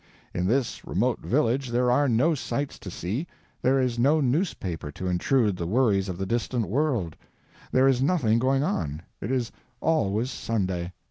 In this remote village there are no sights to see, there is no newspaper to intrude the worries of the distant world, there is nothing going on, it is always Sunday.